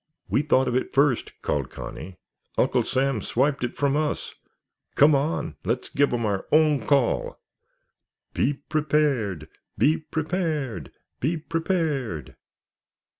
"We thought of it first," called Connie. "Uncle Sam swiped it from us. Come on, let's give 'em our own call!" "_Be prepared! Be prepared! Be prepared!